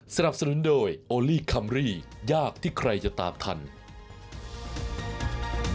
สนับสนุนโดยโอลี่คัมรี่ยากที่ใครจะตามทัน